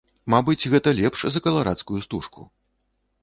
Мабыць, гэта лепш за каларадскую стужку.